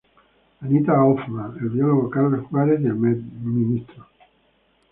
Anita Hoffman, el Biólogo Carlos Juárez y el Mtro.